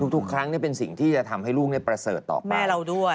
ทุกครั้งเป็นสิ่งที่จะทำให้ลูกประเสริฐต่อแม่เราด้วย